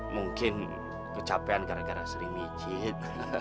mungkin kecapean gara gara sering mijit